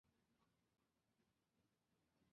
云南鸟足兰为兰科鸟足兰属下的一个种。